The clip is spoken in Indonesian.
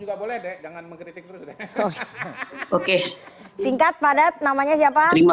juga boleh deh jangan mengkritik terus deh oke singkat padat namanya siapa